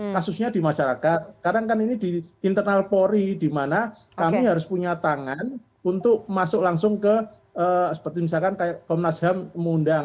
kasusnya di masyarakat sekarang kan ini di internal polri di mana kami harus punya tangan untuk masuk langsung ke seperti misalkan kayak komnas ham mengundang